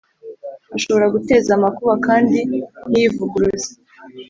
ashobora guteza amakuba, kandi ntiyivuguruze.